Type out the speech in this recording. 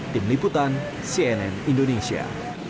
tim liputan cnn indonesia